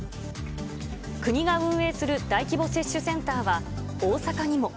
国が運営する大規模接種センターは大阪にも。